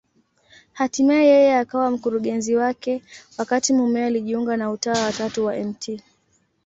Hatimaye yeye akawa mkurugenzi wake, wakati mumewe alijiunga na Utawa wa Tatu wa Mt.